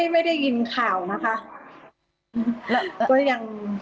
ไม่ได้ยินข่าวนะคะ